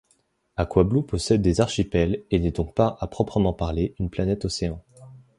Aquablue possède des archipels et n'est donc pas à proprement parler une planète-océan.